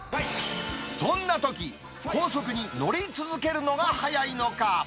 そんなとき、高速に乗り続けるのが速いのか。